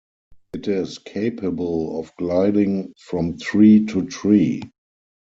It is capable of gliding from tree to tree.